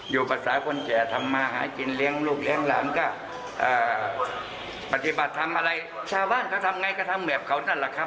ภาษาคนแก่ทำมาหากินเลี้ยงลูกเลี้ยงหลานก็ปฏิบัติทำอะไรชาวบ้านเขาทำไงก็ทำแบบเขานั่นแหละครับ